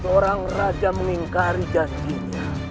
seorang raja mengingkari janjinya